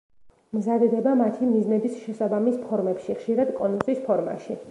მზადდება მათი მიზნების შესაბამის ფორმებში, ხშირად კონუსის ფორმაში.